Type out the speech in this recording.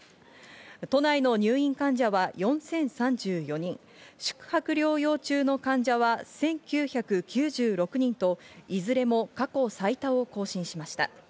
都内の入院患者は４０３４人、宿泊療養中の患者は１９９６人と、いずれも過去最多を更新しました。